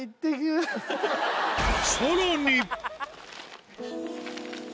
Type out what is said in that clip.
さらに。